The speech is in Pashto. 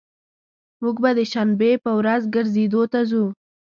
موږ به د شنبي په ورځ ګرځیدو ته ځو